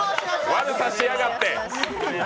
悪さしやがって！